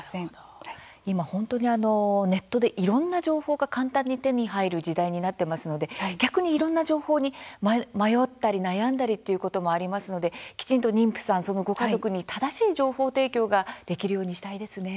今、本当にネットでいろんな情報が簡単に手に入る時代になっていますので逆にいろんな情報に迷ったり、悩んだりということもありますのできちんと妊婦さん、そのご家族に正しい情報提供ができるようにしたいですね。